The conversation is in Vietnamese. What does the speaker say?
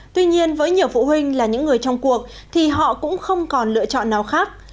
tuy nhiên với nhiều phụ huynh là những người trong cuộc thì họ cũng không còn lựa chọn nào khác